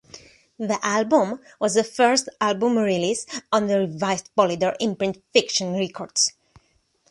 The album was the first album release on the revived Polydor imprint Fiction Records.